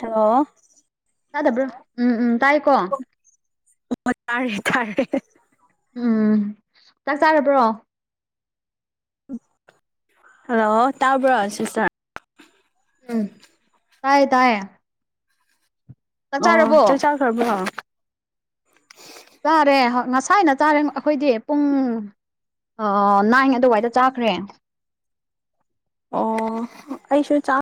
Hello ꯇꯥꯗꯕ꯭ꯔꯣ ꯎꯝ ꯎꯝ ꯇꯥꯏꯌꯦꯀꯣ ꯑꯣ ꯇꯥꯔꯦ ꯇꯥꯔꯦ ꯎꯝ ꯆꯥꯛ ꯆꯥꯔꯕ꯭ꯔꯣ ꯍꯜꯂꯣ ꯇꯥꯕꯔꯥ ꯁꯤꯁꯇꯔ ꯎꯝ ꯇꯥꯏꯌꯦ ꯇꯥꯏꯌꯦ ꯆꯥꯛ ꯑꯣ ꯆꯥꯔꯕꯣ ꯆꯥꯛ ꯆꯥꯈ꯭ꯔꯕ꯭ꯔꯣ ꯆꯥꯔꯦ ꯉꯁꯥꯏꯅ ꯆꯥꯔꯦ ꯑꯩꯈꯣꯏꯗꯤ ꯄꯨꯡ ꯑ ꯅꯥꯏꯉ ꯑꯗꯨꯋꯥꯏꯗ ꯆꯥꯈ꯭ꯔꯦ ꯑꯣ ꯑꯩꯁꯨ ꯆꯥ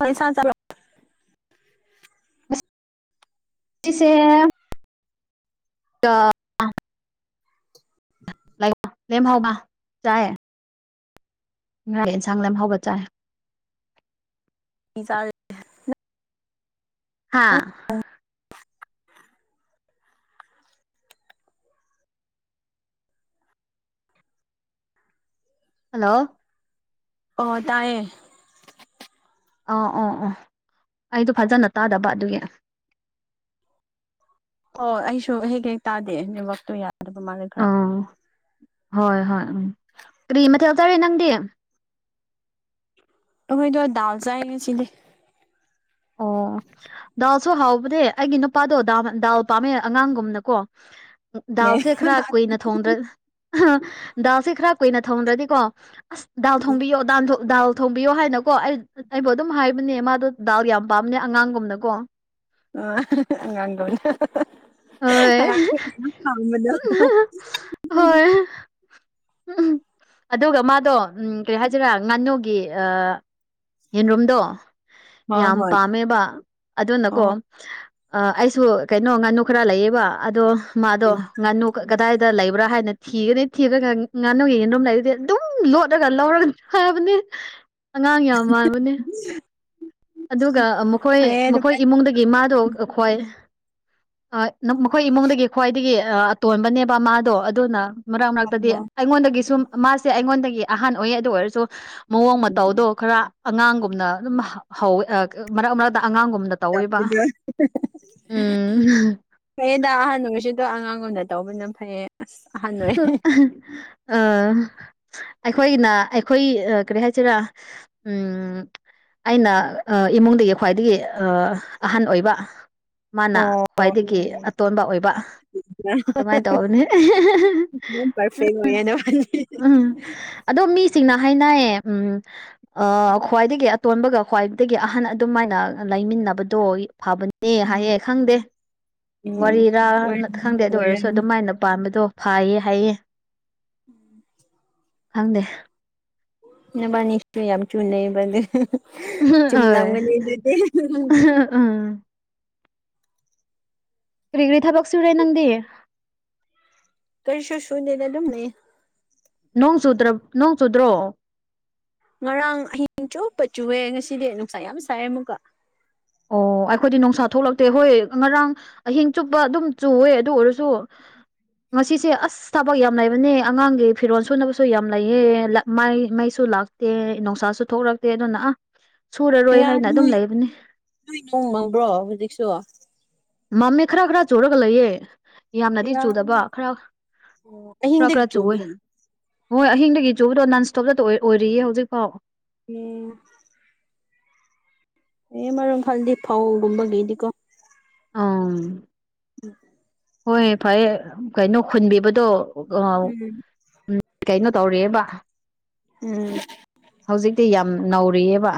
ꯀꯩ ꯏꯟꯁꯥꯡ ꯆꯥꯕꯔꯥ ꯆꯤꯆꯦ [unintelligible] ꯆꯥꯏ ꯉꯥ ꯑꯦꯟꯁꯥꯡ ꯂꯦꯝ ꯍꯧꯕ ꯆꯥꯏ ꯄꯤꯖꯥ ꯅꯪ? ꯍꯥꯥ ꯍꯜꯂꯣ ꯑꯣ ꯇꯥꯏꯌꯦ ꯑꯧ ꯑꯣ ꯑꯣ ꯑꯩꯗꯣ ꯐꯖꯅ ꯇꯥꯗꯕ ꯑꯗꯨꯒꯤ ꯑꯣ ꯑꯩꯁꯨ ꯍꯦꯛ ꯍꯦꯛ ꯇꯥꯗꯦ ꯅꯦꯋꯥꯛꯇꯣ ꯌꯥꯗꯕ ꯃꯥꯜꯂꯦ ꯈꯔ ꯑꯣ ꯍꯣꯏ ꯍꯣꯏ ꯎꯝ ꯀꯔꯤ ꯃꯊꯦꯜ ꯆꯥꯔꯦ ꯅꯪꯗꯤ ꯑꯈꯣꯏꯗꯣ ꯗꯥꯜ ꯆꯥꯏꯌꯦ ꯉꯁꯤꯗꯤ ꯑꯣ ꯗꯥꯎꯜꯁꯨ ꯍꯥꯎꯕꯅꯦ ꯑꯩꯒꯤ ꯅꯨꯄꯥꯗꯣ ꯗꯥꯝ ꯗꯥꯜ ꯄꯥꯝꯃꯦ ꯑꯉꯥꯡꯒꯨꯝꯅꯀꯣ ꯑꯦ ꯗꯥꯜꯁꯦ ꯈꯔ ꯀꯨꯏꯅ ꯊꯣꯡꯗ꯭ꯔ ꯗꯥꯜꯁꯦ ꯈꯔ ꯀꯨꯏꯅ ꯊꯣꯡꯗ꯭ꯔꯗꯤꯀꯣ ꯑꯁ ꯗꯥꯜ ꯊꯣꯡꯕꯤꯌꯣ ꯗꯥꯟꯁꯨ ꯗꯥꯜ ꯊꯣꯡꯕꯤꯌꯣ ꯍꯥꯏꯅꯀꯣ ꯑꯩ ꯑꯩꯕꯨ ꯗꯨꯝ ꯍꯥꯏꯕꯅꯦ ꯃꯥꯗꯣ ꯗꯥꯜ ꯌꯥꯝ ꯄꯥꯝꯅꯦ ꯑꯉꯥꯡꯒꯨꯝꯅꯀꯣ ꯑ ꯑꯉꯥꯡ ꯒꯨꯝꯅ ꯍꯣꯏ ꯑꯉꯥꯡ [unintelligible] ꯍꯣꯏ [unintelligible] ꯑꯗꯨꯒ ꯃꯥꯗꯣ ꯎꯝ ꯀꯔꯤ ꯍꯥꯏꯁꯤꯔꯥ ꯉꯥꯅꯨꯒꯤ ꯑ ꯌꯦꯟꯔꯨꯝꯗꯣ ꯍꯣꯏ ꯌꯥꯝ ꯍꯣꯏ ꯄꯥꯝꯃꯦꯕ ꯑꯗꯨꯅꯀꯣ ꯑꯣ ꯑꯩꯁꯨ ꯀꯩꯅꯣ ꯉꯥꯅꯨ ꯈꯔ ꯂꯩꯌꯦꯕ ꯑꯗꯣ ꯃꯥꯗꯣ ꯉꯥꯅꯨ ꯀꯗꯥꯏꯗ ꯂꯩꯕ꯭ꯔꯥ ꯍꯥꯏꯅ ꯊꯤꯒꯅꯤ ꯊꯤꯔꯥ ꯉꯥꯅꯨꯒꯤ ꯌꯦꯟꯔꯨꯝ ꯂꯩꯔꯗꯤ ꯑꯗꯨꯝ ꯂꯣꯠꯂꯒ ꯂꯧꯔ ꯍꯥꯏꯕꯅꯦ ꯑꯉꯥꯡ ꯌꯥꯝ ꯃꯥꯟꯕꯅꯦ ꯑꯗꯨꯒ ꯃꯈꯣꯏ ꯐꯩꯌꯦ ꯑꯗꯨꯃꯥꯏ ꯃꯈꯣꯏ ꯏꯃꯨꯡꯗꯒꯤ ꯃꯥꯗꯣ ꯑꯈꯣꯏ ꯃꯈꯣꯏ ꯏꯃꯨꯡꯗꯒꯤ ꯈ꯭ꯋꯥꯏꯗꯒꯤ ꯑꯇꯣꯟꯕꯅꯦꯕ ꯃꯥꯗꯣ ꯑꯗꯨꯅ ꯃꯔꯛ ꯃꯔꯛꯇꯗꯤ ꯇꯧꯕꯗꯣ ꯑꯩꯉꯣꯟꯗꯒꯤ ꯁꯨꯝ ꯃꯥꯁꯦ ꯑꯩꯉꯣꯟꯗꯒꯤ ꯑꯍꯟ ꯑꯣꯏꯌꯦ ꯑꯗꯨ ꯑꯣꯏꯔꯁꯨ ꯃꯑꯣꯡ ꯃꯇꯧꯗꯣ ꯈꯔ ꯑꯉꯥꯡꯒꯨꯝꯅ ꯑꯗꯨꯝ ꯍ ꯍꯧꯋꯦ ꯑ ꯃꯔꯛ ꯃꯔꯛꯇ ꯑꯉꯥꯡꯒꯨꯝꯅ ꯇꯧꯋꯦꯕ ꯇꯧꯕꯗꯣ ꯎꯝ ꯐꯩꯌꯦꯗ ꯑꯍꯟ ꯑꯣꯏꯁꯨꯗꯣ ꯑꯉꯥꯡ ꯂꯨꯅ ꯇꯧꯕꯅ ꯐꯩꯌꯦ ꯑꯁ ꯑꯍꯟ ꯑꯣꯏ ꯑ ꯑꯩꯈꯣꯏꯒꯤꯅ ꯑꯩꯈꯣꯏ ꯑ ꯀꯔꯤ ꯍꯥꯏꯁꯤꯔꯥ ꯎꯝ ꯑꯩꯅ ꯑ ꯏꯃꯨꯡꯗꯒꯤ ꯈ꯭ꯋꯥꯏꯗꯒꯤ ꯑ ꯑꯍꯟ ꯑꯣꯏꯕ ꯃꯥꯅ ꯑꯣ ꯈ꯭ꯋꯥꯏꯗꯒꯤ ꯑꯇꯣꯟꯕ ꯑꯣꯏꯕ ꯑꯗꯨꯃꯥꯏ ꯇꯧꯕꯅꯦ [unintelligible] ꯄꯔꯐꯦꯛ ꯑꯣꯏꯌꯦ ꯅꯕꯥꯅꯤ ꯎꯝ ꯑꯗꯣ ꯃꯤꯁꯤꯡꯅ ꯍꯥꯏꯅꯌꯦ ꯎꯝ ꯑ ꯈ꯭ꯋꯥꯏꯗꯒꯤ ꯇꯣꯟꯕꯒ ꯈ꯭ꯋꯥꯏꯗꯒꯤ ꯑꯍꯟ ꯑꯗꯨꯃꯥꯏꯅ ꯂꯩꯃꯤꯟꯅꯕꯗꯣ ꯐꯕ ꯅꯤ ꯎꯝ ꯍꯥꯏꯌꯦ ꯈꯪꯗꯦ ꯋꯥꯔꯤꯔꯥ ꯑꯣꯏꯔꯝꯅꯤ ꯈꯪꯗꯦ ꯑꯗꯨ ꯑꯣꯏꯔꯁꯨ ꯑꯣꯏꯔꯝꯅꯤ ꯑꯗꯨꯝꯥꯏꯅ ꯄꯥꯟꯕꯗꯣ ꯐꯌꯦ ꯍꯥꯏꯌꯦ ꯎꯝ ꯈꯪꯗꯦ ꯅꯕꯅꯤꯁꯨ ꯌꯥꯝ ꯆꯨꯅꯩꯕꯗꯨ ꯆꯨꯝ ꯍꯣꯏ ꯂꯒꯅꯤ ꯑꯗꯨꯗꯤ [unintelligible] ꯀ꯭ꯔꯤ ꯒꯤꯔ ꯊꯥꯕꯛ ꯁꯨꯨꯔꯦ ꯅꯪꯗꯤ ꯀꯩꯔꯤꯁꯨ ꯁꯨꯏꯗꯦꯗ ꯑꯗꯨꯝ ꯂꯩꯌꯦ ꯅꯣꯡ ꯆꯨꯗ꯭ꯔ ꯅꯣꯡ ꯆꯨꯗ꯭ꯔꯣ ꯉꯔꯥꯡ ꯑꯍꯤꯡ ꯆꯨꯞꯄ ꯆꯨꯑꯦ ꯉꯁꯤꯗꯤ ꯅꯨꯡꯁꯥ ꯌꯥꯝ ꯁꯥꯏꯑꯦ ꯑꯃꯨꯛꯀ ꯑꯣ ꯑꯩꯈꯣꯏꯗꯤ ꯅꯨꯡꯁꯥ ꯊꯣꯛꯂꯛꯇꯦ ꯍꯣꯏ ꯉꯔꯥꯡ ꯑꯍꯤꯡ ꯆꯨꯞꯄ ꯑꯗꯨꯝ ꯆꯨꯋꯦ ꯑꯗꯨ ꯑꯣꯏꯔꯁꯨ ꯉꯁꯤꯁꯦ ꯑꯁ ꯑꯁ ꯊꯕꯛ ꯌꯥꯝ ꯂꯩꯕꯅꯦ ꯑꯉꯥꯡꯒꯤ ꯐꯤꯔꯣꯜ ꯁꯨꯅꯕꯁꯨ ꯌꯥꯝ ꯂꯩꯌꯦ ꯂ ꯃꯥꯏ ꯃꯩꯁꯨ ꯂꯥꯛ ꯇꯦ ꯅꯨꯡꯁꯥꯁꯨ ꯊꯣꯛꯂꯛꯇꯦ ꯑꯗꯨꯅ ꯑꯥ ꯁꯨꯔꯔꯣꯏ ꯍꯥꯏꯅ ꯑꯗꯨꯝ ꯂꯩꯕꯅꯦ ꯅꯣꯏ ꯅꯣꯡ ꯃꯪꯕ꯭ꯔꯣ ꯍꯧꯖꯤꯛꯁꯨ ꯃꯝꯃꯦ ꯈꯔ ꯈꯔ ꯆꯨꯔꯒ ꯂꯩꯌꯦ ꯌꯥꯝꯅꯗꯤ ꯌꯥ ꯆꯨꯗꯕ ꯈꯔ ꯈꯔ ꯑꯍꯤꯡꯗꯒꯤ ꯈꯔ ꯆꯨꯋꯦ ꯆꯨꯕ꯭ꯔꯣ ꯎꯝ ꯍꯣꯏ ꯑꯍꯤꯡꯗꯒꯤ ꯆꯨꯕꯗꯣ ꯅꯟ ꯁ꯭ꯇꯣꯞꯇ ꯑꯣꯏꯔꯤꯌꯦ ꯍꯧꯖꯤꯛ ꯐꯥꯎ ꯎꯝ ꯑꯦ ꯃꯔꯝ ꯈꯗꯤ ꯐꯧꯒꯨꯝꯕꯒꯤꯗꯤꯀꯣ ꯑꯥ [unintelligible] ꯍꯣꯏ ꯐꯩꯌꯦ ꯀꯩꯅꯣ ꯈꯨꯟꯕꯤꯕꯗꯣ ꯑ ꯎꯝ ꯎꯝ ꯀꯩꯅꯣ ꯇꯧꯔꯦꯕ ꯎꯝ ꯍꯧꯖꯤꯛꯇꯤ ꯌꯥꯝ ꯅꯧꯔꯤꯌꯦꯕ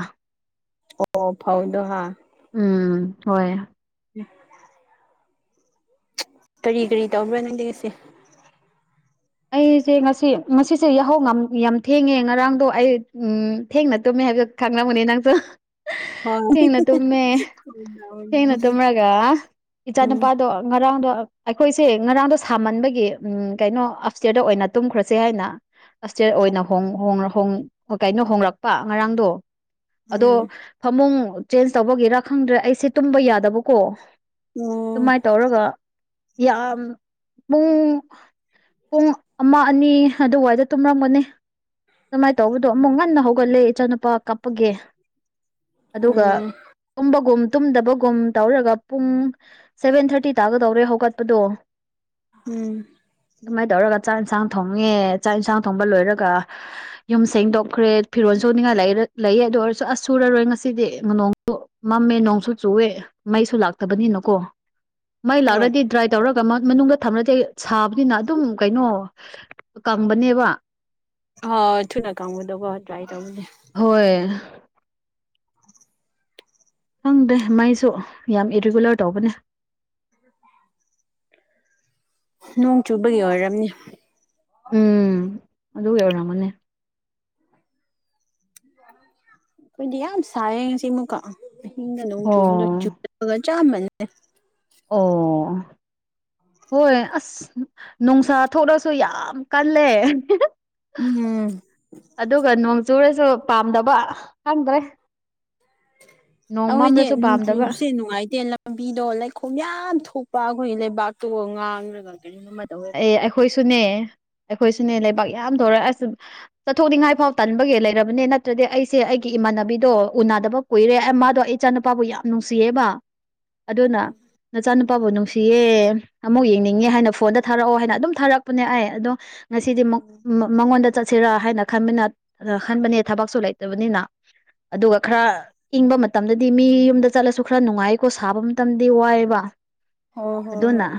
ꯑꯣ ꯐꯧꯗꯣ ꯍꯥ ꯎꯝ ꯍꯣꯏ [unintelligible] ꯀꯔꯤ ꯀꯔꯤ ꯇꯧꯕ꯭ꯔ ꯅꯪꯗꯤ ꯉꯁꯤ ꯑꯩꯁꯦ ꯉꯁꯤ ꯉꯁꯤꯁꯦ ꯌꯥꯍꯧ ꯌꯥꯝ ꯊꯦꯡꯉꯦ ꯉꯔꯥꯡꯗꯣ ꯑꯩ ꯊꯦꯡꯅ ꯇꯨꯝꯃꯦ ꯍꯥꯏꯕꯗꯣ ꯈꯪꯂꯝꯒꯅꯤ ꯅꯪꯁꯨ ꯎꯝ ꯐꯦꯡꯅ ꯇꯨꯝꯃꯦ ꯎꯝ ꯐꯦꯡꯅ ꯇꯨꯝꯔꯒ ꯏꯆꯥ ꯅꯨꯨꯄꯥꯗꯣ ꯉꯔꯥꯡꯗꯣ ꯑꯩꯈꯣꯏꯁꯦ ꯉꯔꯥꯡꯗꯣ ꯁꯥꯃꯟꯕꯒꯤ ꯎꯝ ꯀꯩꯅꯣ ꯑꯐꯏ꯭ꯇꯤꯌꯔꯗ ꯑꯣꯏꯅ ꯇꯨꯝꯈ꯭ꯔꯁꯦ ꯍꯥꯏꯅ ꯑꯁꯇ꯭ꯌꯔ ꯑꯣꯏꯅ ꯍꯣꯡ ꯍꯣꯡꯔ ꯍꯣꯡ ꯀꯩꯅꯣ ꯍꯣꯡꯂꯛꯄ ꯉꯔꯥꯡꯗꯣ ꯑꯗꯣ ꯎꯝ ꯐꯃꯨꯡ ꯆꯦꯟꯖ ꯇꯧꯕꯒꯤꯔꯥ ꯈꯪꯗ꯭ꯔꯦ ꯑꯩꯁꯦ ꯇꯨꯝꯕ ꯌꯥꯗꯕꯀꯣ ꯑꯣ ꯑꯗꯨꯃꯥꯏꯅ ꯇꯧꯔꯒ ꯌꯥꯝ ꯄꯨꯡ ꯄꯨꯡ ꯑꯃ ꯑꯅꯤ ꯑꯗꯨꯋꯥꯏꯗ ꯇꯨꯝꯔꯝꯒꯅꯤ ꯑꯗꯨꯃꯥꯏꯅ ꯇꯧꯕꯗꯣ ꯑꯃꯨꯛ ꯉꯟꯅ ꯍꯧꯒꯠꯂꯦ ꯏꯆꯥꯅꯨꯄꯥ ꯀꯛꯄꯒꯦ ꯑꯗꯨꯒ ꯎꯝ ꯇꯨꯝꯕꯒꯨꯝ ꯇꯨꯝꯗꯕꯒꯨꯝ ꯇꯧꯔꯒ ꯄꯨꯡ ꯁꯚꯦꯟ ꯊꯥꯔꯇꯤ ꯇꯥꯒꯗꯧꯔꯦ ꯍꯧꯒꯠꯄꯗꯣ ꯎꯝ ꯑꯗꯨꯃꯥꯏꯅ ꯇꯧꯔꯒ ꯆꯥꯛ ꯌꯦꯟꯁꯥꯡ ꯊꯣꯡꯉꯦ ꯆꯥꯛ ꯌꯦꯟꯁꯥꯡ ꯊꯣꯡꯕ ꯂꯣꯏꯔꯒ ꯌꯨꯝ ꯁꯦꯡꯗꯣꯛꯈ꯭ꯔꯦ ꯐꯤꯔꯣꯜ ꯁꯣꯛꯅꯤꯡꯉꯥꯏ ꯂꯩꯌꯦ ꯑꯗꯨ ꯑꯣꯏꯔꯁꯨ ꯑꯁ ꯁꯨꯔꯔꯣꯏ ꯉꯁꯤꯗꯤ ꯅꯣꯡ ꯃꯝꯃꯦ ꯅꯣꯡꯁꯨ ꯆꯨꯑꯦ ꯃꯩꯁꯨ ꯂꯥꯛꯇꯕꯅꯤꯅꯀꯣ ꯃꯩ ꯍꯣꯏ ꯂꯥꯛꯔꯗꯤ ꯗ꯭ꯔꯥꯏ ꯇꯧꯔꯒ ꯃꯅꯨꯡꯗ ꯊꯝꯂꯗꯤ ꯁꯥꯕꯅꯤꯅ ꯑꯗꯨꯝ ꯀꯩꯅꯣ ꯀꯪꯕꯅꯦꯕ ꯑꯍ ꯊꯨꯅ ꯀꯪꯕꯗꯨꯀꯣ ꯗ꯭ꯔꯥꯏ ꯇꯧꯕꯒꯤ ꯍꯣꯏ ꯈꯪꯗꯦ ꯃꯩꯁꯨ ꯌꯥꯝ ꯏꯔꯤꯒꯨꯂꯔ ꯇꯧꯕꯅꯦ ꯅꯣꯡ ꯆꯨꯕꯒꯤ ꯑꯣꯏꯔꯝꯅꯤ ꯎꯝ ꯑꯗꯨ ꯑꯣꯏꯔꯝꯒꯅꯤ꯫ ꯑꯩꯈꯣꯏꯗꯤ ꯌꯥꯝ ꯁꯥꯏꯌꯦ ꯉꯁꯤꯃꯨꯛꯀ ꯑꯍꯤꯡꯒ ꯅꯣꯡꯛ ꯆꯨꯕꯗꯣ ꯑꯣ ꯆꯨꯗꯕꯒꯥ ꯆꯞꯃꯥꯅꯩꯌꯦ ꯑꯣ ꯍꯣꯏ ꯑꯁ ꯅꯨꯡꯁꯥ ꯊꯣꯛꯂꯁꯨ ꯌꯥꯝ ꯀꯜꯂꯦ ꯍꯤ ꯍꯤ ꯎꯝ ꯑꯗꯨꯒ ꯅꯣꯡ ꯆꯨꯔꯁꯨ ꯄꯥꯝꯗꯕ ꯈꯪꯗ꯭ꯔꯦ ꯅꯣꯡ ꯑꯩꯈꫭꯏꯗꯤ ꯃꯝꯂꯁꯨ ꯅꯣꯡ ꯄꯥꯝꯗꯕ ꯆꯨꯁꯦ ꯅꯨꯡꯉꯥꯏꯇꯦ ꯂꯝꯕꯤꯗꯣ ꯂꯩꯈꯣꯝ ꯌꯥꯝ ꯊꯣꯛꯄ ꯑꯩꯈꯣꯏꯒꯤ ꯂꯩꯕꯥꯛꯇꯣ ꯉꯥꯡꯔꯒ ꯀꯔꯤꯅꯣꯃ ꯑꯦ ꯑꯩꯈꯣꯏꯁꯨꯅꯦ ꯑꯩꯈꯣꯏꯁꯨꯅꯦ ꯂꯩꯕꯥꯛ ꯌꯥꯝ ꯇꯧꯔ ꯑꯁ ꯆꯠꯊꯣꯛꯅꯤꯡꯉꯥꯏ ꯐꯥꯎ ꯇꯟꯕꯒꯤ ꯂꯩꯔꯕꯅꯦ ꯅꯠꯇ꯭ꯔꯗꯤ ꯑꯩꯁꯦ ꯑꯩꯒꯤ ꯏꯃꯥꯟꯅꯕꯤꯗꯣ ꯎꯅꯗꯕ ꯀꯨꯏꯔꯦ ꯃꯥꯗꯣ ꯑꯩ ꯏꯆꯥꯅꯨꯄꯥꯕꯨ ꯌꯥꯝ ꯅꯨꯡꯁꯤꯌꯦꯕ ꯑꯗꯨꯅ ꯅꯆꯥꯅꯨꯄꯥꯕꯨ ꯅꯨꯡꯁꯤꯌꯦ ꯑꯃꯨꯛ ꯌꯦꯡꯅꯤꯡꯉꯦ ꯍꯥꯏꯅ ꯐꯣꯟꯗ ꯊꯥꯔꯛꯑꯣ ꯍꯥꯏꯅ ꯑꯗꯨꯝ ꯊꯥꯔꯛꯄꯅꯦ ꯑꯩ ꯑꯗꯣ ꯉꯁꯤꯗꯤ ꯑꯃꯨ ꯃꯉꯣꯟꯗ ꯆꯠꯁꯤꯔꯥ ꯍꯥꯏꯅ ꯈꯟꯕꯅ ꯑ ꯈꯟꯕꯅꯦ ꯊꯕꯛꯁꯨ ꯂꯩꯇꯕꯅꯤꯅ ꯑꯗꯨꯒ ꯈꯔ ꯏꯪꯕ ꯃꯇꯝꯗꯗꯤ ꯃꯤ ꯌꯨꯝꯗ ꯆꯠꯂꯁꯨ ꯈꯔ ꯅꯨꯡꯉꯥꯏꯀꯣ ꯁꯥꯕ ꯃꯇꯝꯗꯤ ꯋꯥꯏꯑꯦꯕ ꯑꯣ ꯍꯣ ꯑꯗꯨꯅ ꯍꯣꯏ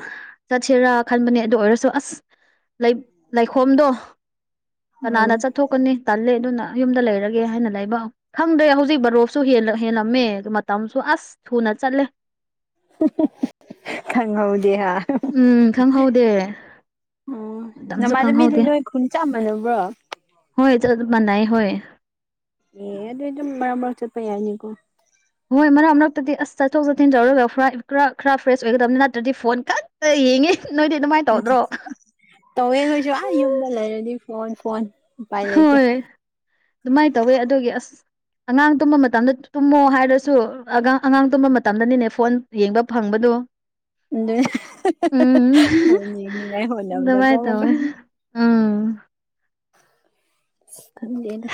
ꯆꯠꯁꯤꯔꯥ ꯈꯟꯕꯅꯦ ꯑꯗꯨ ꯑꯣꯏꯔꯁꯨ ꯑꯁ! ꯂꯩꯈꯣꯝꯗꯣ ꯀꯅꯥꯅ ꯎꯝ ꯆꯠ ꯊꯣꯛꯀꯅꯤ ꯇꯜꯂꯦ ꯑꯗꯨꯅ ꯌꯨꯝꯗ ꯂꯩꯔꯒꯦ ꯍꯥꯏꯅ ꯂꯩꯕ ꯈꯪꯗ꯭ꯔꯦ ꯍꯧꯖꯤꯛ ꯕꯔꯣꯛꯁꯨ ꯍꯦꯜꯂꯝꯃꯦ ꯃꯇꯝꯁꯨ ꯑꯁ ꯊꯨꯅ ꯆꯠꯂꯦ ꯈꯪꯉꯧꯗꯦ ꯍꯥ ꯎꯝ ꯈꯪꯍꯧꯗꯦ ꯎꯝ ꯃꯇꯝꯁꯨ ꯅꯃꯥꯟꯅꯕꯤꯗꯤ ꯈꯪꯍꯧꯗꯦ ꯅꯣꯏ ꯈꯨꯟ ꯆꯥꯝꯃꯅꯕ꯭ꯔꯣ? ꯍ‌ꯣꯏ ꯆꯞ ꯃꯥꯅꯅꯥꯏ ꯍꯣꯏ ꯑꯦ ꯑꯗꯨ ꯑꯗꯨꯝ ꯃꯔꯛ ꯃꯔꯛ ꯆꯠꯄ ꯌꯥꯢ ꯀꯣ ꯍꯣꯏ ꯃꯔꯛ ꯃꯔꯛꯇꯗꯤ ꯑꯁ ꯆꯠꯊꯣꯛ ꯆꯠꯁꯤꯟ ꯇꯧꯔꯒ ꯈꯔ ꯄꯨꯔ ꯈꯔ ꯐ꯭ꯔꯦꯁ ꯑꯣꯏꯒꯗꯕꯅꯤ ꯅꯠꯇ꯭ꯔꯗꯤ ꯐꯣꯟ ꯀꯛꯇ ꯌꯦꯡꯉꯦ ꯅꯣꯏꯗꯤ ꯑꯗꯨꯃꯥꯏ ꯇꯧꯋꯦ ꯑꯥꯈꯣꯏꯁꯨ ꯑꯥ ꯌꯨꯝꯗ ꯂꯩꯔꯗꯤ ꯐꯣꯟ ꯐꯣꯟ ꯎꯄꯥꯏ ꯂꯩꯇꯦ ꯍꯣꯏ ꯑꯗꯨꯃꯥꯏꯅ ꯇꯧꯋꯦ ꯑꯗꯨꯒꯤ ꯑꯁ ꯑꯉꯥꯡ ꯇꯨꯝꯕ ꯃꯇꯝꯗ ꯇꯨꯝꯃꯣ ꯍꯥꯏꯔꯁꯨ ꯑꯉꯥꯡ ꯇꯨꯝꯕ ꯃꯇꯝꯗꯅꯤꯅꯦ ꯐꯣꯟ ꯌꯦꯡꯕ ꯐꯪꯕꯗꯣ [inaudible] ꯎꯝ ꯍꯣꯅꯤꯅꯤꯉꯥꯏ ꯍꯣꯠꯅꯕꯗ ꯑꯗꯨꯃꯥꯏꯅ ꯀꯣꯃꯀ ꯇꯧꯋꯦ [unintelligible] ꯎꯝ ꯈꯪꯗ‌ꯦꯗ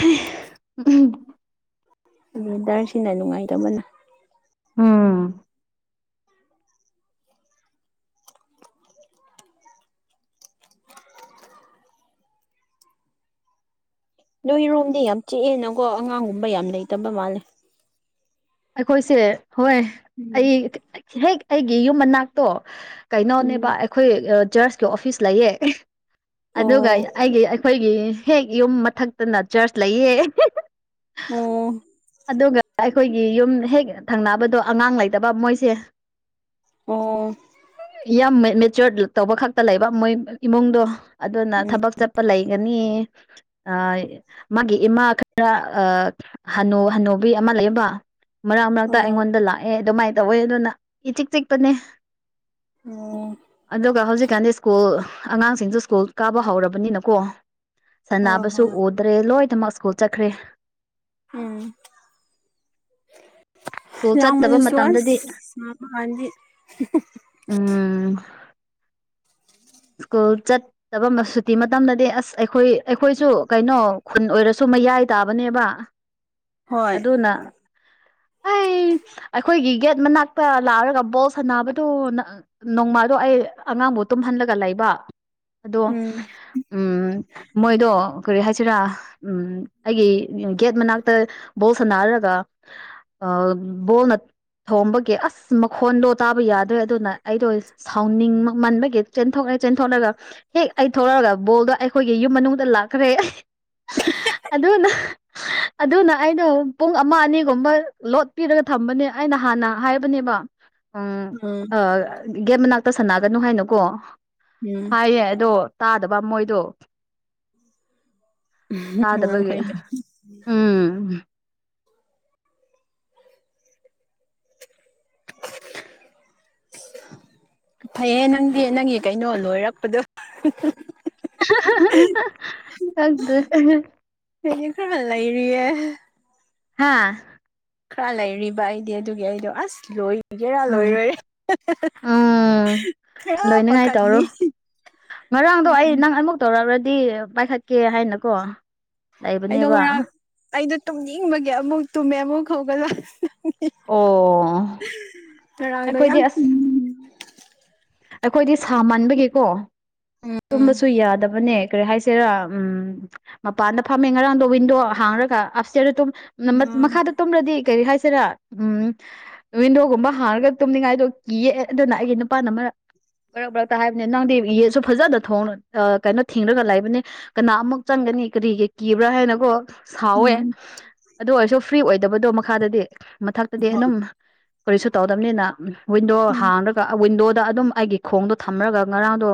ꯎꯝ ꯋꯦꯗꯔꯁꯤꯅ ꯅꯨꯡꯉꯥꯏꯇꯕꯅꯦ ꯎꯝ ꯅꯣꯏꯔꯣꯝꯗꯤ ꯌꯥꯝ ꯆꯤꯛꯑꯦꯅꯀꯣ ꯑꯉꯥꯡꯒꯨꯝꯕ ꯌꯥꯝ ꯂꯩꯇꯕ ꯃꯥꯜꯂꯦ꯫ ꯑꯩꯈꯣꯏꯁꯦ ꯍꯣꯏ ꯎꯝ ꯑꯩ ꯍꯦꯛ ꯑꯩꯒꯤ ꯌꯨꯝ ꯃꯅꯥꯛꯇꯣ ꯀꯩꯅꯣꯅꯦꯕ ꯎꯝ ꯑꯩꯈꯣꯏ ꯆꯖꯔꯁꯀꯤ ꯑꯣꯐꯤꯁ ꯂꯩꯌꯦ꯫ ꯑꯣ ꯑꯗꯨꯒ ꯑꯩꯒꯤ ꯑꯩꯈꯣꯏꯒꯤ ꯍꯦꯛ ꯌꯨꯝ ꯃꯊꯛꯇꯅ ꯆꯔꯁ ꯂꯩꯌꯦ꯫ ꯑꯣ ꯑꯗꯨꯒ ꯑꯩꯈꯣꯏꯒꯤ ꯌꯨꯝ ꯍꯦꯛ ꯊꯪꯅꯕꯗꯣ ꯑꯉꯥꯡ ꯂꯩꯇꯕ ꯃꯣꯏꯁꯦ ꯑꯣ ꯌꯥꯝ ꯃꯦꯆꯣꯔ ꯇꯧꯕ ꯈꯛꯇ ꯂꯩꯕ ꯃꯣꯏ ꯏꯃꯨꯡꯗꯣ ꯑꯗꯨꯅ ꯎꯝ ꯊꯕꯛ ꯆꯠꯄ ꯂꯩꯒꯅꯤ꯫ ꯑ ꯃꯥꯒꯤ ꯏꯃꯥ ꯈꯔ ꯑꯥ ꯍꯅꯨ ꯍꯟꯅꯨꯕꯤ ꯑꯃ ꯂꯩꯕ ꯃꯔꯛ ꯃꯔꯛꯇ ꯑꯣ ꯑꯩꯉꯣꯟꯗ ꯂꯥꯛꯑꯦ ꯑꯗꯨꯃꯥꯏꯅ ꯇꯧꯋꯦ ꯑꯗꯨꯅ ꯏꯆꯤꯛ ꯆꯤꯛꯄꯅꯦ ꯑꯣ ꯑꯗꯨꯒ ꯍꯧꯖꯤꯛꯀꯥꯟꯗꯤ ꯁ꯭ꯀꯨꯜ ꯑꯉꯥꯡꯁꯤꯡꯁꯨ ꯁ꯭ꯀꯨꯜ ꯀꯥꯕ ꯍꯧꯔꯕꯅꯤꯅꯀꯣ ꯑꯣ ꯍꯣꯏ ꯍꯣꯏ ꯁꯥꯟꯅꯕꯁꯨ ꯍꯣꯏ ꯎꯗ꯭ꯔꯦ ꯂꯣꯏꯅꯃꯛ ꯁ꯭ꯀꯨꯜ ꯆꯠꯈ꯭ꯔꯦ ꯎꯝ ꯁ꯭ꯀꯨꯜ ꯆꯠꯇꯕ ꯂꯥꯜꯃꯜꯂꯨ ꯃꯇꯝꯗꯗꯤ ꯁꯋꯁ ꯃꯍꯥꯇꯃꯥꯒꯥꯟꯙꯤ ꯎꯝ ꯁꯀꯣꯜ ꯆ ꯆꯕ ꯁꯨꯇꯤ ꯃꯇꯝꯗꯗꯤ ꯑꯁ ꯑꯩꯈꯣꯏ ꯑꯩꯈꯣꯏꯁꯨ ꯀꯩꯅꯣ ꯈꯨꯟ ꯑꯣꯏꯔꯁꯨ ꯃꯌꯥꯏ ꯇꯥꯕꯅꯦꯕ ꯍꯣꯏ ꯑꯗꯨꯅ ꯑꯩ ꯑꯩꯈꯣꯏꯒꯤ ꯒꯦꯠ ꯃꯅꯥꯛꯛꯇ ꯂꯥꯛꯑꯒ ꯕꯣꯜ ꯁꯅꯕꯗꯨ ꯅꯣꯡꯃꯥꯗꯣ ꯑꯩ ꯑꯉꯥꯡꯕꯨ ꯇꯨꯝꯍꯜꯂꯒ ꯂꯩꯕ ꯑꯗꯣ ꯎꯝ ꯎꯝ ꯃꯣꯏꯗꯣ ꯀꯔꯤ ꯍꯥꯏꯁꯤꯔꯥ ꯎꯝ ꯑꯩꯒꯤ ꯒꯦꯠ ꯃꯅꯥꯛꯇ ꯕꯣꯜ ꯁꯅꯔꯔꯒ [unintelligible] ꯊꯣꯝꯕꯒꯤ ꯑꯁ ꯃꯈꯣꯟꯗꯣ ꯇꯥꯕ ꯌꯥꯗ꯭ꯔꯦ ꯑꯗꯨꯅ ꯑꯩꯗꯣ ꯁꯥꯎꯅꯤꯡ ꯃꯟꯕꯒꯤ ꯆꯦꯟꯊꯣꯛꯅ ꯆꯦꯟꯊꯣꯛꯅꯒ ꯍꯦꯛ ꯑꯩ ꯊꯣꯛꯂꯛꯑꯒ ꯕꯣꯜꯗꯣ ꯑꯩꯈꯣꯏꯒꯤ ꯌꯨꯝ ꯃꯅꯨꯡꯗ ꯂꯥꯛꯈ꯭ꯔꯦ ꯑꯗꯨꯅꯥ ꯑꯗꯨꯅ ꯑꯩꯅ ꯄꯨꯡ ꯑꯃ ꯑꯅꯤꯒꯨꯝꯕ ꯂꯣꯠ ꯄꯤꯔꯒ ꯊꯝꯕꯅꯦ ꯑꯩꯅ ꯍꯥꯟꯅ ꯍꯥꯏꯕꯅꯦꯕ ꯎꯝ ꯎ ꯒꯦꯠ ꯃꯅꯥꯛꯇ ꯁꯥꯟꯅꯒꯅꯨ ꯍꯥꯏꯅꯨꯀꯣ ꯎꯝ ꯍꯥꯏꯌꯦ ꯑꯗꯣ ꯇꯥꯗꯕ ꯃꯣꯏꯗꯣ ꯆꯗꯕꯒꯦ ꯑꯉꯥꯡꯈꯩꯗꯣ ꯎꯝ ꯐꯩꯌꯦ ꯅꯪꯗꯤ ꯅꯪꯒꯤ ꯀꯩꯅꯣ ꯂꯣꯏꯔꯛꯄꯗꯣ ꯑꯗꯨꯗ ꯄꯅꯤꯡ ꯐꯃꯜ ꯂꯩꯔꯤꯌꯦ ꯍꯥꯥ ꯈꯔ ꯂꯩꯔꯤꯕ ꯑꯩꯗꯤ ꯑꯗꯨꯒꯤ ꯑꯩꯗꯣ ꯑꯁ ꯂꯣꯏ ꯖꯦꯔꯥ ꯎꯝ ꯂꯣꯏꯔꯔꯦ ꯎꯝ ꯈꯔ ꯂꯣꯏꯅꯉꯥꯏ ꯇꯧꯔꯣ ꯃꯈꯜꯅꯤ ꯉꯔꯥꯡꯗꯣ ꯑꯩ ꯅꯪ ꯑꯃꯨꯛ ꯇꯧꯔꯛꯔꯗꯤ ꯄꯥꯏꯈꯠꯀꯦ ꯍꯥꯏꯅꯀꯣ ꯑꯩꯗꯣ ꯂꯩꯕꯅꯦꯕ ꯉꯔꯥꯡ ꯑꯩꯗꯣ ꯇꯨꯝꯅꯤꯡꯕꯒꯤ ꯑꯃꯨꯛ ꯇꯨꯝꯃꯦ ꯑꯃꯨꯛ ꯍꯧꯒꯗ ꯑꯣ ꯉꯔꯥꯡꯗꯣ ꯑꯩꯈꯣꯏꯗꯤ ꯌꯥꯝ ꯀꯨꯝ ꯑꯁ ꯑꯩꯈꯣꯏꯗꯤ ꯁꯥ ꯃꯥꯟꯕꯒꯤꯀꯣ ꯎꯝ ꯇꯨꯝꯕꯁꯨ ꯌꯥꯗꯕꯅꯦ ꯀꯔꯤ ꯍꯥꯏꯁꯦꯔꯥ ꯎꯝ ꯃꯄꯥꯟꯗ ꯐꯝꯃꯦ ꯉꯔꯥꯡꯗꯣ ꯋꯤꯟꯗꯣ ꯍꯥꯡꯔꯒ ꯑꯞꯁꯦꯔ ꯑꯗꯨꯝ ꯎꯝ ꯃꯈꯥꯗ ꯇꯝꯂꯗꯤ ꯀꯔꯤ ꯍꯥꯏꯁꯤꯔꯥ ꯎꯝ ꯋꯤꯟꯗꯣꯒꯨꯝꯕ ꯍꯥꯡꯔꯒ ꯇꯨꯝꯅꯤꯡꯉꯥꯏꯗꯣ ꯀꯤꯑ ꯑꯗꯨꯅ ꯑꯩꯒꯤ ꯅꯨꯄꯥꯅ ꯃꯔꯛ ꯃꯔꯛ ꯃꯔꯛꯇ ꯍꯥꯏꯕꯅꯦ ꯅꯪꯗꯤ ꯌꯦꯁꯨ ꯐꯖꯅ ꯊꯣꯡ ꯀꯩꯅꯣ ꯊꯦꯡꯅꯒ ꯂꯩꯕꯅꯦ ꯀꯅꯥ ꯑꯃꯨꯛ ꯆꯪꯒꯅꯤ ꯀꯔꯤꯒꯤ ꯀꯤꯕ꯭ꯔꯥ ꯍꯥꯏꯅꯀꯣ ꯁꯥꯎꯋꯦ ꯑꯗꯨ ꯑꯣꯏꯔꯁꯨ ꯐ꯭ꯔꯤ ꯑꯣꯏꯗꯕꯗꯣ ꯃꯈꯥꯗꯗꯤ ꯃꯊꯛꯇꯗꯤ ꯎꯝ ꯑꯗꯨꯝ ꯀꯔꯤꯁꯨ ꯇꯧꯗꯕꯅꯤꯅ ꯋꯤꯟꯗꯣ ꯍꯥꯡꯔꯒ ꯋꯤꯟꯗꯣꯗ ꯑꯗꯨꯝ ꯑꯩꯒꯤ ꯈꯣꯡꯗꯣ ꯊꯝꯃꯔꯒ ꯉꯔꯥꯡꯗꯣ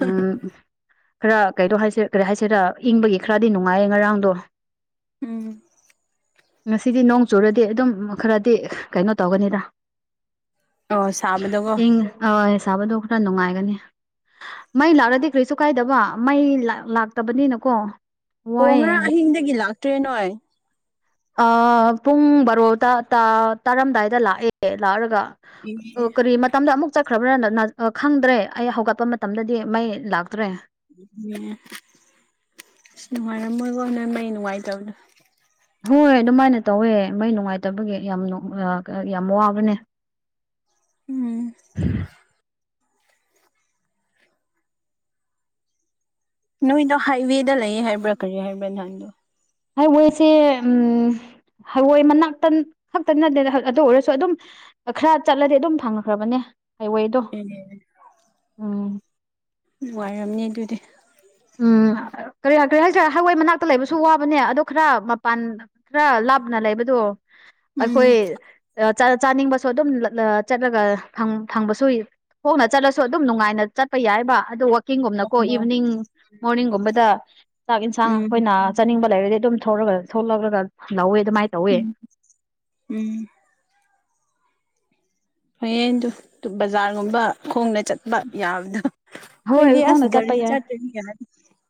ꯎꯝ ꯈꯔ ꯀꯩꯗꯣ ꯍꯥꯏꯁꯦ ꯀꯔꯤ ꯍꯥꯏꯁꯤꯦꯔ ꯏꯪꯕꯒꯤ ꯈꯔꯗꯤ ꯅꯨꯡꯉꯥꯏꯌꯦ ꯉꯔꯥꯡꯗꯣ ꯎꯝ ꯉꯁꯤꯗꯤ ꯅꯣꯡ ꯆꯨꯔꯗꯤ ꯑꯗꯨꯝ ꯈꯔꯗꯤ ꯀꯩꯅꯣ ꯇꯧꯒꯅꯤꯗ ꯑꯣ ꯁꯥꯕꯗꯀꯣ ꯏꯪ ꯑ ꯁꯥꯕꯗꯣ ꯈꯔ ꯅꯨꯡꯉꯥꯏꯒꯅꯤ ꯃꯩ ꯂꯥꯛꯂꯗꯤ ꯀꯔꯤꯁꯨ ꯀꯥꯏꯗꯕ ꯃꯩ ꯂꯥꯛꯇꯕꯅꯤꯅꯀꯣ ꯑꯣ ꯋꯥꯏꯑꯦ ꯉꯔꯥꯡ ꯑꯍꯤꯡꯗꯒꯤ ꯂꯥꯛꯇ꯭ꯔꯦ ꯅꯣꯏ ꯄꯨꯡ ꯕꯥꯔꯣ ꯇꯥꯔꯝꯗꯥꯏꯗ ꯂꯥꯛꯑꯦ ꯂꯥꯛꯑꯔꯒ ꯑꯦ ꯑꯣꯔꯤ ꯃꯗ ꯑꯃꯨꯛ ꯆꯠꯈ꯭ꯔꯕ꯭ꯔꯥꯗꯣ ꯈꯪꯗ꯭ꯔꯦ ꯑꯩ ꯍꯧꯒꯠꯄ ꯃꯇꯝꯗꯗꯤ ꯃꯩ ꯂꯥꯛꯇ꯭ꯔꯦ ꯑꯦ ꯑꯁ ꯅꯨꯡꯉꯥꯏꯔꯝ ꯃꯣꯏꯒꯣ ꯍꯣꯏ ꯃꯩ ꯅꯨꯡꯉꯥꯏꯇꯕꯗꯣ ꯍꯣꯏ ꯑꯗꯨꯃꯥꯏꯅ ꯇꯧꯋꯦ ꯃꯩ ꯅꯨꯡꯉꯥꯏꯇꯕꯒꯤ ꯌꯥꯝ ꯌꯥꯝ ꯋꯥꯕꯅꯦ ꯎꯝ ꯅꯣꯏꯗꯣ ꯍꯥꯏꯋꯦꯗ ꯂꯩ ꯍꯥꯏꯕ꯭ꯔꯥ ꯀꯔꯤ ꯍꯥꯏꯕ꯭ꯔꯥ ꯅꯍꯥꯟꯗꯣ ꯍꯥꯏꯋꯦꯁꯦ ꯎ ꯍꯋꯥꯏ ꯃꯅꯥꯛꯇ ꯈꯛꯇ ꯅꯠꯇꯦꯅ ꯑꯗꯨ ꯑꯣꯏꯔꯁꯨ ꯑꯗꯨꯝ ꯈꯔ ꯆꯠꯂꯗꯤ ꯑꯗꯨꯝ ꯐꯪꯈ꯭ꯔꯕꯅꯦ ꯍꯥꯏꯋꯦꯗꯣ ꯑꯦ ꯎꯝ ꯅꯨꯡ ꯋꯥꯥꯏꯔꯝꯅꯤ ꯑꯗꯨꯗꯤ ꯎꯝ ꯀꯔꯤ ꯀ ꯍꯥꯏꯔꯦ ꯍꯋꯥꯏ ꯃꯅꯥꯛꯇ ꯂꯩꯕꯁꯨ ꯋꯥꯕꯅꯦ ꯑꯗꯣ ꯈꯔ ꯃꯄꯥꯟ ꯈꯔ ꯂꯥꯞꯅ ꯂꯩꯕꯗꯣ ꯎꯝ ꯑꯩꯈꯣꯏ ꯆꯥꯅꯤꯡꯕꯁꯨ ꯑꯗꯨꯝ ꯆꯠꯂꯒ ꯐꯪꯕꯁꯨꯏ ꯍꯣꯡꯅ ꯆꯠꯂꯁꯨ ꯑꯗꯨꯝ ꯅꯨꯡꯉꯥꯏꯅ ꯆꯠꯄ ꯌꯥꯏꯕ ꯑꯗꯨ ꯑꯀꯤꯤꯡꯒꯨꯝꯅꯀꯣ ꯏꯚꯤꯅꯤꯡ ꯃꯣꯔꯅꯤꯡꯒꯨꯝꯕꯗ ꯆꯥꯛ ꯌꯦꯟꯁꯥꯡ ꯑꯩꯈꯣꯏꯅ ꯎꯝ ꯆꯥꯅꯤꯡꯕ ꯂꯩꯔꯗꯤ ꯑꯗꯨꯝ ꯊꯒ ꯊꯣꯛꯣꯂꯛꯑꯒ ꯂꯧꯋꯦ ꯑꯗꯨꯃꯥꯏꯅ ꯇꯧꯋꯦ ꯎꯝ ꯍꯌꯦꯡꯗ ꯕꯖꯥꯔꯒꯨꯝꯕ ꯈꯣꯡꯅ ꯆꯠꯄ ꯌꯥꯕꯗꯣ ꯍꯣꯏ ꯀꯗꯤ ꯑꯁ ꯍꯣꯡꯅ ꯆꯠꯄ ꯒꯥꯔꯤ ꯌꯥꯏ ꯆꯠꯇ ꯌꯥ